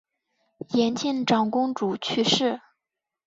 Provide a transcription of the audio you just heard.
延庆长公主去世。